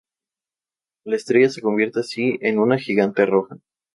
La estrella se convierte así en una gigante roja.